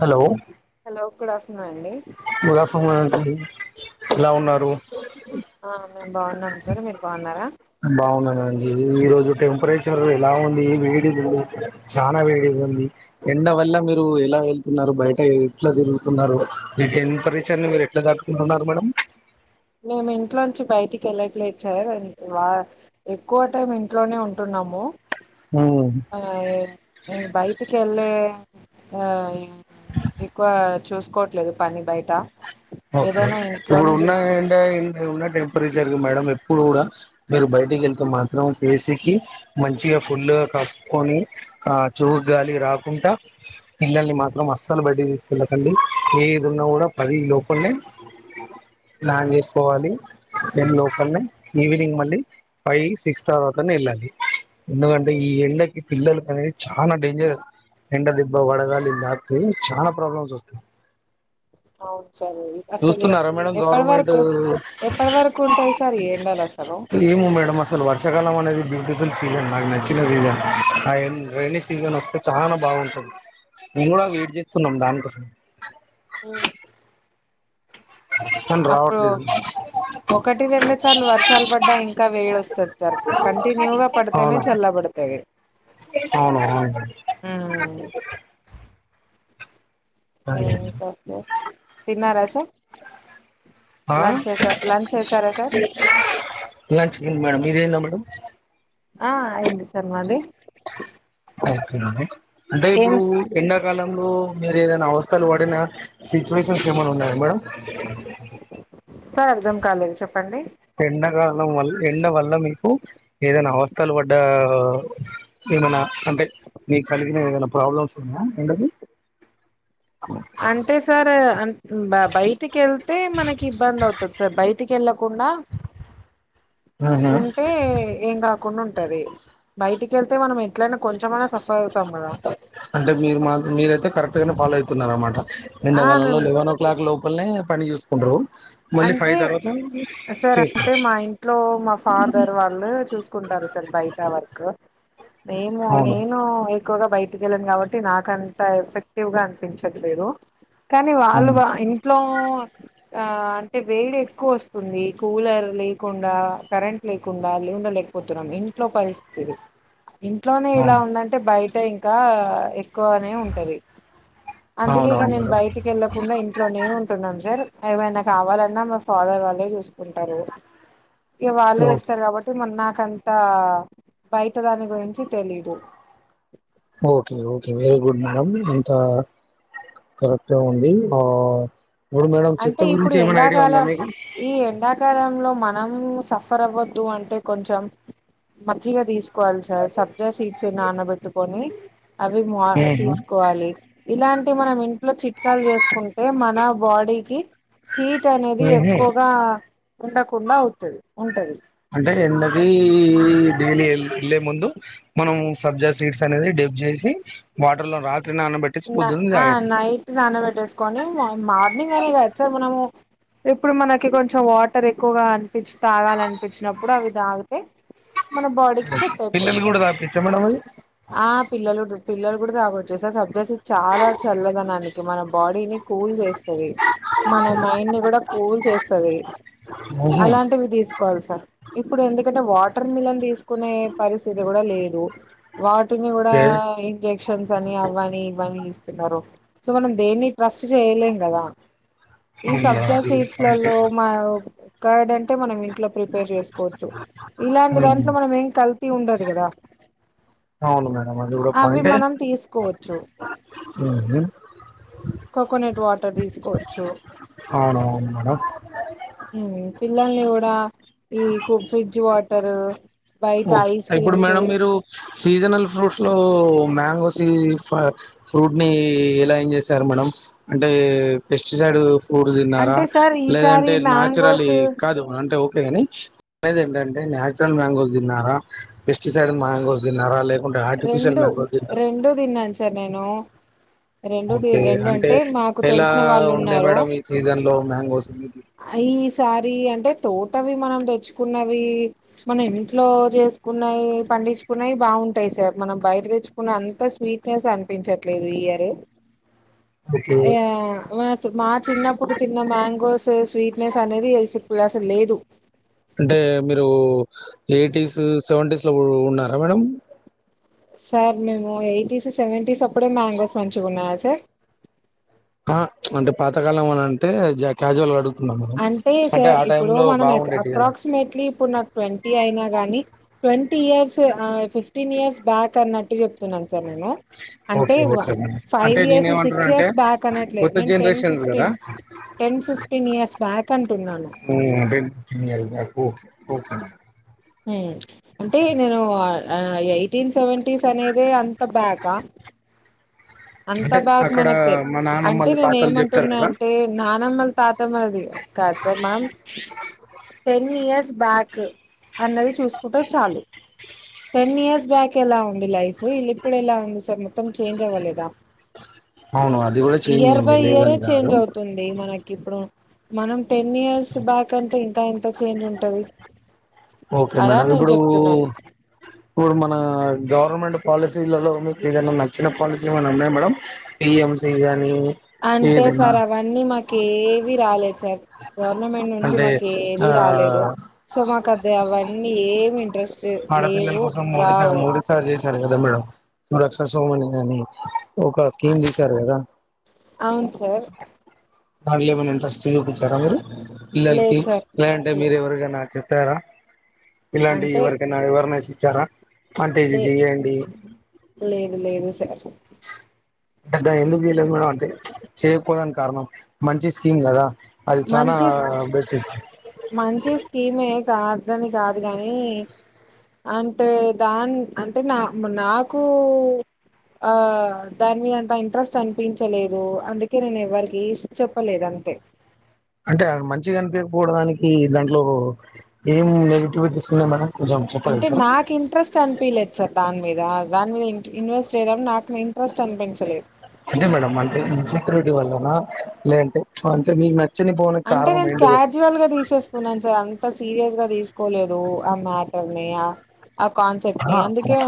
Hello hello good afternoon అండి good afternoon అండి ఎలా ఉన్నారు ఆ మేము బాగున్నాం సార్ మీరు బాగున్నారా బాగున్నానండి ఈ రోజు టెంపరేచర్ ఎలా ఉంది వేడిగుంది చానా వేడిగఉంది ఎండ వల్ల మీరు ఎలా వెళ్తున్నారు బయట ఎట్లా తిరుగుతున్నారు ఇ టెంపరేచర్ ని మీరు ఎట్లా తట్టుకుంటున్నారు మేడం మేము ఇంట్లో నుంచి బయటికి వెళ్ళట్లేదు సార్ వా ఎక్కువ టైం ఇంట్లోనే ఉంటున్నాము ఉమ్ ఆ ఆ య్ ఎక్కువ చూసుకోట్లేదు పని బయట ఓకే ఏదైనా ఇప్పుడు ఇంట్లోనే ఉన్న చూసుకోండి ఎంట ఉన్న టెంపరేచర్ మేడం ఎప్పుడు కూడా మీరు బయటికి వెళ్తే మాత్రం ఫేస్ కి మంచిగా ఫుల్గా కప్పుకొని ఆ చూ గాలి రాకుండా పిల్లల్ని మాత్రం అస్సలు బయటకి తీసుకెళ్లకండి ఏది ఉన్నా కూడా పది లో పల్ లాన్ ప్లాన్ చేసుకోవాలి. టెన్ లోపల్నే ఈవినింగ్ మళ్ళీ ఫైవ్ సిక్స్ తర్వాతనే వెళ్ళాలి. ఎందుకంటే, ఈ ఎండకి పిల్లల అనేది చాలా డేంజర్ ఎండ దిబ్బ వడగాలి దకుతే చాలా ప్రాబ్లమ్స్ వస్తాయి. అవును సార్ అసలు చూస్తున్నారా మేడం ఎప్పటి గవర్నమెంట్ వరకు ఎప్పటి వరకు ఉంటాయి సార్ ఈ ఎండలు అసలు ఏమో మేడం అసలు వర్షాకాలం అనేది బఫుల్ సీజన్ నాకు నచ్చిన సీజన్ రేణి సీజన్ వస్తే చాలా బాగుంటుంది. మేము కూడా వెయిట్ చేస్తున్నాం దానికోసమే ఆ కానీ అప్పుడు రావట్లేదు ఒకటి రండి సార్లు వర్షాలు పడ్డా ఇంకా వేడి వస్తది. సార్ కంటిన్యూగా పడితేనే అవును చల్లబడుతది. అవును అవును ఉ ఏమైంది రావట్లే తిన్నారా సార్ ఆ లంచ్ చేసా లంచ్ చేసారా సార్ లంచ్ అయ్యింది మేడ మీది అయ్యిందా మేడమ్ ఆ అయింది సార్ మాది ఓకే నండి అంటే ఏం ఇప్పుడు ఎండాకాలంలో మీరు ఏదైనా అవస్థలు పడినా సిచ్యువేషన్స్ ఏమన్న ఉన్నాయా మేడం సార్ అర్థం కాలేదు చెప్పు ఎండాకాలం వల్ ఎండ వల్ల మీకు ఏదైనా అవస్థలు పడ్డ ఏమన్న అంటే నీకు కలిగిన ఏదైనా ప్రాబ్లమ్స్ ఉన్నాయా ఏంటవి అంటే సార్ బ బయటికి వెళ్తే మనకి ఇబ్బంది అవుతది సార్ బయ్ టికి వెళ్లం కుండ ఆహా ఉంటే ఏం కాకుండ ఉంటది బయటి కేళ్తే మనం ఎట్లైనా కొంచమైనా సఫర్ అవుతాం కదా అంటే మీరు మా మీరైతే కరెక్ట్ గానే ఫాలో అయితున్నారు అన్నమాట ఆ ఎండాకాలంలో మేము లెవెన్ ఓ క్లాక్ లోపలనే పని చూసుకుంటరు అంటే సార్ చేస్తారు అంటే మా ఇంట్లో మా ఫాదర్ వాళ్ళు చూసుకుంటరు సార్ బయట వర్క్ నేమో అవును నేను ఎక్కువగా బయటికి వెళ్ళను కాబట్టి నాకంత ఎఫెక్టివ్ గా అనిపించట్లేదు కానీ వాళ్ళు అవును వా ఇంట్లో ఆ ఆ టే వేడి ఎక్కువ వస్తుంది. కూలర్ లేకుండా కరెంట్ లేకుండా ఉండ లేకపోతున్నాం. ఇంట్లో పరిస్థిది ఇంట్లోనే ఇలా అవును ఉందంటే బయి టే ఇంకా ఎక్కువనే ఉంటది అందుకే ఇక అవునవును నేను మేడం బయటికి వెళ్ళకుండా ఇంట్లోనే ఉంటున్నాను సార్ ఏమైనా కావాలన్ న్నా మా ఫాదర్ వాళ్ళే చూసుకుంటారు ఇక వాళ్ళు ఓకే చేస్తారు కాబట్టి మ నాన్న నాకంత బయట దాని గురించి తెలీదు okay okay very good madam అంత కరెక్ట్గా ఉంది ఆ ఇప్పుడు మేడం చెత్త అంటే ఇప్పుడు గురించి ఏమైనా ఐడియా ఉందా ఎండాకాలం మీకు ఈ ఎండాకాలంలో మనం సఫర్ అవ్వద్దు అంటే కొంచెం మంచిగా తీస్క్ వాలి సార్ సబ్జా సీట్స్ నానబెట్టుకొని అవి మా ఉహు తీసుకోవాలి ఇలాంట్ అంటే మనం ఇంట్లో చిట్కాలు చేసుకుంటే మ బాడీకి హీట్ అనేది ఉహు ఎక్కువగా ఉండకుండా అవుతుంది ఉంటది అంటే ఎండకి డైలీ వెళ్ళే ముందు మనం సబ్జా సీడ్స్ అనేది డెబ్ చేసి వాటర్ లో రాల్ న ఆ నైట్ నాన పెట్టేసుకొని మార్ మార్నింగ్ అనే కాదు సార్ మనము ఇప్పుడు మనకి కొంచెం వాటర్ ఎక్కువగా అనిపించి తాగాలనిపించినప్పుడు అవి తాగితే మన బాడీకి సెట్ పిల్లలు అయిపోద్ది కూడా తాపిచ్చా మేడం అది ఆ పిల్లలు పిల్లలు కూడా దాగొచ్చ సార్ సబ్ ఇదాస్ చాలా చల్లదనానికి మన బాడీని కూల్ చేస్త టది మన మైండ్ ని కూడా కూల్ చేస్తది ఓహో అలాంటివి తీసుకోవాలి సార్ ఇప్పుడు ఎందుకంటే వాటర్ మిలన్ తీసుకునే పరిస్థితి కూడా లేదు వాటిని కూడా ఓకే ఇం చె చెంచ్ నీ ఆవ అనీ తే మనీ స్తున్నారు సో మనం దేన్ని ట్రస్ట్ చేయలేం కదా ఈ సబ్జా సీడ్స్లలో మా కర్డ్ అంటే మనం ఇంట్లో ప్రిపేర్ చేసుకోవచ్చు ఇలాంటి దాంట్లో మనం ఏం కల్తీ ఉండదు కదా అవును మేడం అది గూడ పాయింట్ ఏ చో నాగా చట్ట తీసుకోవచ్చు అవును అవును మేడం హ్మ్ పిల్లల్ని కూడా ఈ కూ ఫ్రిడ్జ్ వాటరు బయట ఓకె ఐస్ ఇప్పుడు క్రీమ్స్ మేడం మీరు సీజనల్ ఫ్రూట్స్ లో మ్యాంగోస్ ఫా ఫ్రూట్ ని ఎలా ఏం చేసారు మనం అంటే పెస్టిసైడ్ ఊరు తిన్నారా అంటే సార్ ఈసారి లేదంటే నాచురల్ మ్యాంగోస్ కాదు అంటే అంతేగానీ నేననేది ఏంటంటే నాచురల్ మ్యాంగోల్స్ తిన్నారా పెస్టిసైడ్ మ్యాంగోస్ తిన్నారా లేద్ రెండు రెండు తిన్నాను సార్ నేను రెండు తి- ఓకే రెండు అంటే మాకు ఎలా తెలిసిన వాళ్ళు ఉండే ఉన్నారు మేడం ఈ సీజన్ లో మ్యాంగోస్ ఈ సారి అంటే తోటవి మనం తెచ్చుకున్నవి మన ఇంట్లో చేసుకున్నాయి పండించుకున్నాయి బాగుంట టాయి సార్ మనం బయట తెచ్చుకున్న అంత స్వీట్నెస్ అనిపించట్లేదు ఈ ఇయర్ ఓకే యా మా మా చిన్నప్పుడు తిన్న మ్యాంగోస్ స్వీట్నెస్ అనేదోచ్చేసి ఇప్పుడు అస్సలు లేదు అంటే మీరు ఎయిటీస్ సెవెంటీస్ ఇట్ల గూడ ఉన్నారా మేడం సార్ మేము ఎయిటీస్ సెవెంటీస్ అప్పుడే మ్యాంగోస్ మంచిగా ఉన్నాయా సార్ ఆ అంటే పాతకాలం అని అంటే జా కేసువల్ గ అడుగు అంటే సార్ ఇప్పుడు మనం ఎక్ బాగుండేటి కదా అప్రాక్సిమేట్లీ ఇప్పుడు నాకు ట్వంటీ అయినా కానీ కాని ట్వంటీ ఇయర్స్ ఆ ఫిఫ్టీన్ ఇయర్స్ బ్యాక్ అన్నట్టు చెప్తున్నాను. సార్ నేను అంటే ఓకే వా ఓకే మేడం ఫైవ్ అంటే ఇయర్స్ సిక్స్ నేనేమంటున్నా అంటే ఇయర్స్ బ్యాక్ అనట్లేదు కొత్త నేన్ ten generations fifteen ten fifteen years back అంటున్నాను. ఊ ఓ ఓ ఊ అంటే నేను ఆ ఆ ఎయిటీన్ సెవెంటీస్ అనేది అం అంత బ్యాకా అంత అంటే బాగా అక్కడ మనకు తెలి మా అంటే నానమ్మలు నేను తాతలు చెప్తారు ఏమంటున్నా కదా అంటే నానమ్మల మది కాదు సర్ టెన్ ఇయర్స్ బ్యాక్ అన్నది చూసుకుంటే చాలు టెన్ ఇయర్స్ బ్యాక్ ఎలా ఉన్ ఉంది లైఫ్ ఇల్ల ఇప్పుడు ఎలా ఉంది సార్ మొత్తం చేంజ్ అవ్వ లేదా అవును అది కూడా చేంజ్ అయ్యింది ఇయరే లేదని కాదు చేంజ్ అవుతుంది మనకి ఇప్పుడు మనం టెన్ ఇయర్స్ బ్యాక్ అంటే ఇంకా ఎంత చేంజ్ ఉంటది. ఓకే అలా మేడం నేను ఇప్పుడూ చెప్తున్నాను ఇప్పుడు మన గవర్నమెంట్ పాలసీలలో మీకు ఎదైనా నచ్చిన పాలసీ ఏమైన ఉన్నాయా మేడం పి ఎం సి కాని అంటే సార్ అవన్నీ మాకు ఏవి రాలేదు సార్ గవర్నమెంట్ నుంచి అంటే మాకు ఏది రాలేదు ఆ సో మాకు అది అవన్నీ ఏమి ఇంట్రెస్ట్ ఆడపిల్లల లేవు కోసం మోడీ సర్ రావు మోడీ సర్ చేసీ చేసారు కదా మేడం వాళ్ల కి ససోమనిగాని ఒక స్కిం చేసారు కదా అవును సార్ మల్లెమన్న ఇంట్రెస్ట్ చూపించార మీరు పిల్లలకి లేదు సార్ లేదంటే లే మీరు ఎవరి కన్నా చెప్ప అదేకదా ఇలాంటివి అంటే ఎవరికైనా ఇన్ఫర్మేషన్ ఇచ్చారా అంటే ఇది లే చేయండి [inaudible] [unintelligible] లేదు లేదు సార్ ఇంకా ఎందుకు చేయలేదు మేడం అంటే చేయకపోటానికి కారణం మంచి స్కీమ్ కదా అది చాలా మంచి బెస్ట్ మంచి స్కీమే కా దని కాదు కానీ అంటే దాని అంటే నా నాకు ఆహ్ దాని అంత ఇంట్రెస్ట్ అనిపించలేదు అందుకే నేను ఎవ్వరికి చెప్పలేదు అంతే అంటే ఆహ్ మంచిగా అనిపియికపోవడానికి దాంట్లో ఏం నెగటివిటీస్ ఉన్నాయి మేడం కొంచెం అంటే చెప్పగలుగుతారా నాకు ఇంట్రెస్ట్ అనిపియలేదు సార్ దాని మీద దాని మీద ఇ ఇన్వెస్ట్ చేయడం నాకు ఇంట్రెస్ట్ అనిపించలేదు అదే మేడం అంటే ఇన్సెక్యూరిటీ వల్లన లేదంటే అంటే మీకు న అంటే నేను క్యాజువల్ గా తీసేసుకున్నాను సార్ అంత సీరియస్ గా తీసుకోలేదు ఆ మ్యాటర్ని ఆహ్ ఆహ్ కాన్సెప్ట్ ని ఆహా అందుకే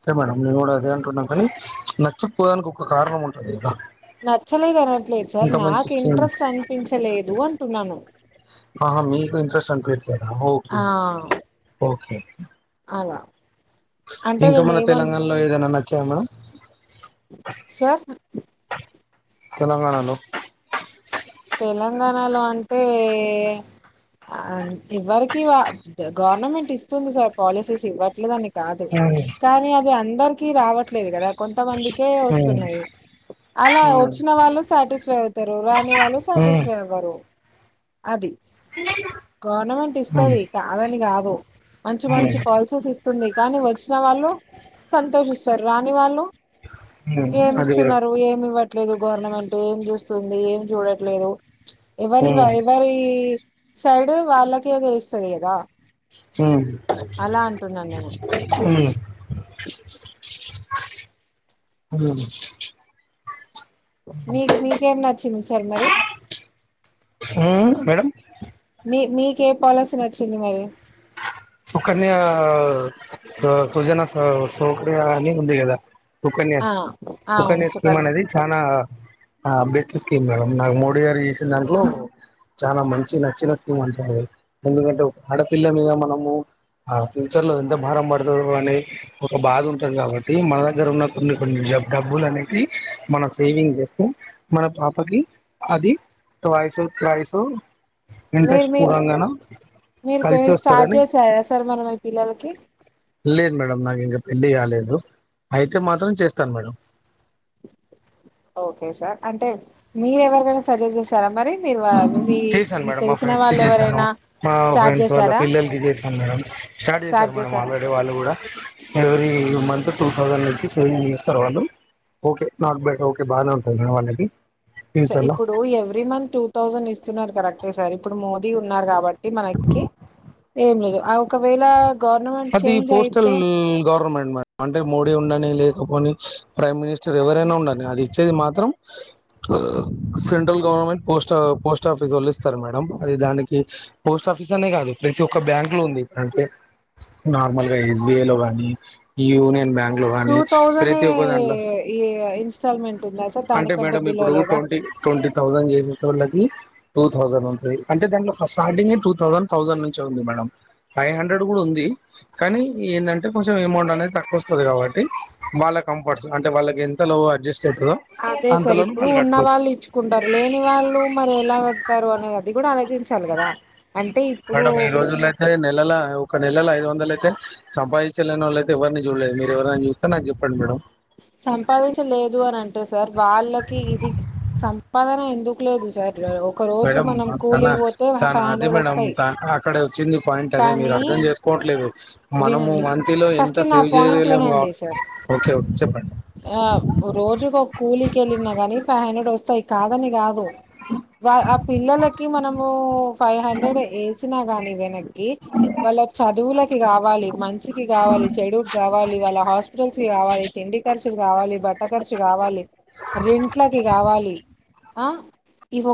అదే మేడం నేను కూడా అదే అంటున్నా కానీ నచ్చకపోవడానికి ఒక కారణం ఉంటది కదా నచ్చలేదు అనట్లేదు సార్ ఇంత మంచి నాకు స్కీమ్ ఇంట్రెస్ట్ అనిపించలేదు అంటున్నాను ఆహా మీకు ఇంట్రెస్ట్ అనిపియట్ ఓకే ఆ! ఓకే [inaudible] అలా అంటే ఇంకా మన నేనేమను తెలంగాణాలో ఏదైనా న చామా సార్ తెలంగాణాలో తెలంగాణలో అంటే అంతే ఇవ్వరికి గవర్నమెంట్ ఇస్తుంది సార్ పాలసీస్ ఇవ్వట్లే అని కాదు హ్మ్ కానీ అది అందరి కీ రావట్లేదు కదా కొంతమందికే హ్మ్ వస్తున్నాయి అలా వచ్చిన వాళ్ళు సాటిస్ఫై అవుతరు రాని వాళ్ళు హ్మ్ సాటిస్వయ్ అవ్వరు అది గవర్నమెంట్ హ్మ్ హ్మ్ ఇస్తది కాదని కాదు మంచి మంచి పాలసీస్ ఇస్తుంది కానీ వచ్చిన వాళ్ళు సంతోషిస్తు సరె రాని వాళ్లు హ్మ్ ఏమి అదే కదా ఇస్తున్నరు ఏమి ఇవ్వ లేదు గవర్నమెంట్ ఏం చూస్తుంది ఏం చూడ లేదు ఎవరి హ్మ్ ఎవరి ఈ సైడు వాళ్ళకే తెలుస్తది కదా నేను. మ్ మ్ మ్ మీకు మీకేం నచ్చింది సార్ మరి హ్మ్ మేడం మీ మీకే పాలసీ నచ్చింది మరి సుకన్యా స సుజన సౌ సౌకర్య అని వుంది గదా సుకన్యా ఆ అవును సుకన్యా స్క్రీమ్ సుకన్య అనేది చాలా అ బెస్ట్ స్కీ కీమ్ మేడం నాకు మోడీ గారు చేసిన దాంట్లో, చాలా మంచి నచ్చిన స్కీమ్ అంటారు ఎందుకంటే ఒక ఆడపిల్ల మీద మనం ఆ ఫ్యూచర్ లో ఎంత భారం పడుతదో, అనే ఒక బాధ ఉంటది కాబట్టి, మన దగ్గర ఉన్న కొన్ని కొన్ని డబ్బులు అనేటివి, మనం సేవింగ్ చేస్తే మన పాపకి అది ట్వయిస్ త్రయిస్ మీరు ఇంట్రెస్ట్ మీరు పూరంగాన కలిసి వస్తదని సయా సార్ మరి మీ పిల్లలకి లేదు మేడం నాకు ఇంకా పెళ్లి గాలేదు అయితే మాత్రం చేస్తాను మేడం ఓకే సార్ అంటే మీరు ఎవరికైనా సజెస్ట్ చేసారా మరి మీరు వా- మీ చేశాను మీకు మేడం మా తెలిసిన ఫ్రెండ్స్ కి వాళ్ళు చేసాను, ఎవరైనా మా స్టార్ట్ ఫ్రెండ్స్ వాళ్ళ చేసారా పిల్లలకి చేసాను మేడం, స్టార్ట్ చేశారు మేడం ఆల్రెడీ వాళ్ళు కూడా ఎవరీ మంత్ టూ థౌసండ్ నుంచి సేవింగ్ చేస్తారు వాళ్ళు ఓకే నాట్ బెటర్, ఓకే బాగానే ఉంటది మేడం వాళ్ళది. స ఇప్పుడు ఎవ్రీ మంత్ టూ థౌసండ్ ఇస్ ఇస్తున్నారు కరెక్టే సార్ ఇప్పుడు మోదీ ఉన్నారు కాబ మనక్కి ఏం లేదు ఆ ఒకవేళ గవర్నమెంట్ అది చేంజ్ పోస్టల్ అయితే గవర్నమెంట్ మే అంటే మోడీ ఉండని లేకపోని ప్రైమ్ మినిస్టర్ ఎవరైనా ఉండని అది ఇచ్చేది మాత్రం సెంట్రల్ గవర్నమెంట్ పోస్ట్ పోస్టాఫీస్ వాళ్ళు ఇస్తారు మేడం, అది దానికి పోస్ట్ ఆఫీస్ అనే కాదు ప్రతి ఒక్క బ్యాంక్ లో ఉంది అంటే నార్మల్ గా ఎస్బిఐ లో గాని యూనియన్ బ్యాంక్ లో టూ గానీ థౌజండ్ నే ప్రతి ఒక్క దాంట్లో ఇ ఇన్స్టాల్ మెంట్ ఉందా సార్ అంటే దానికంటే మేడం బిలో ఇప్పుడు లేదా ట్వంటీ ట్వంటీ థౌజండ్ చేసేటోళ్ళకి టూ థౌజండ్ నుంటి అంటే దానిలో స్టార్టింగే టూ థౌసండ్ థౌసండ్ నుంచి ఉంది మేడం ఫైవ్ హండ్రెడ్ కూడా ఉంది, కానీ ఏందంటే కొంచెం అమౌంట్ అనేది తక్కువ వస్తది కాబట్టి వాళ్ళ కంఫర్ట్స్ అంటే వాళ్ళకి ఎంత లో అడ్జస్ట్ అయితదో, అదే సార్ ఇప్పుడు ఉన్న వాళ్ళు ఇచ్చుకుంటారు లేని వాళ్ళు మరి ఎలా కడతారు అనేది అది కూడా ఆలోచించాలి కదా, అంటే ఇప్పుడు మేడం ఈ రోజుల అయితే నెలల ఒక నెల ల ఐదు వందలు అయితే సంపాదించలేని వాళ్ళు అయితే ఎవ్వరిని చూడలేదు మీరు ఎవరని చూస్తే నాకు చెప్పండి మేడం. సంపాదించలేదు అని అంటే సార్ వాళ్ళకి ఇది సంపాదన ఎందుకు లేదు సార్, ఒక రోజు మేడం మనం తన కూలికి పోతే తన ఫైవ్ అదే హండ్రెడ్ మేడం వస్తాయి త అక్కడ వచ్చింది పాయింట్ అదే మీరు కానీ అర్ధం చేసుకోవట్లేదు, మనము వినండి మంత్ లో ఎంత ఫస్ట్ నా సేవ్ చేయలే పాయింట్ లేముగ వినండి సార్ ఓకే, చెప్పండి ఆ రోజుకి ఒక కూలీకి వెళ్ళిన గాని ఫైవ్ హండ్రెడ్ వస్ త్తయ్ కాదని కాదు. యా ఆ పిల్లలక్. కి మనము. ఫైవ్ హండ్రెడ్ ఏస్. [unintelligible] కి వాళ్ళ చదువులకి కావాలి, మంచికి కావాలి, చెడుక్ కావాలి, వాళ్ళ హాస్పిటల్స్ కి కావాలి. తిండి ఖర్చులు కావాలి, బట్ట ఖర్చు కావాలి, రెంట్లకి కావాలి. ఆ ఇవ్